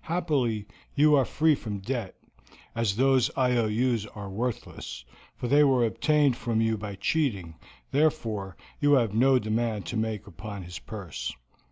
Happily, you are free from debt, as those IOUs are worthless, for they were obtained from you by cheating, therefore you have no demand to make upon his purse.